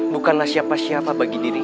bukanlah siapa siapa bagi diri